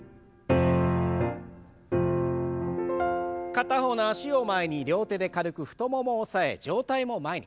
片方の脚を前に両手で軽く太ももを押さえ上体も前に。